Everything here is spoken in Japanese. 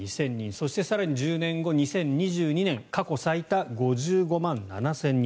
そして更に１０年後、２０２２年過去最多、５５万７０００人。